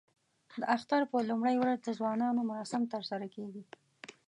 د اختر په لومړۍ ورځ د ځوانانو مراسم ترسره کېږي.